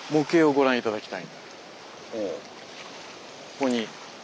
ここに。